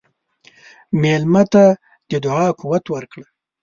مېلمه ته د دعا قوت ورکړه.